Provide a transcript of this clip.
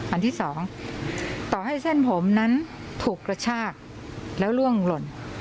อันที่สองต่อให้เส้นผมนั้นถูกกระชากแล้วล่วงหล่น